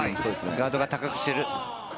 ガード高くしている。